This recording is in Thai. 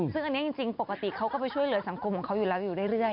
ซึ่งอันนี้จริงปกติเขาก็ไปช่วยเหลือสังคมของเขาอยู่แล้วอยู่เรื่อย